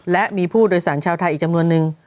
และมีผู้โดยสารชาวไทยอีกจำนวนนึง